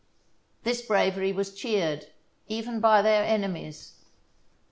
This bravery was cheered, even by their enemies.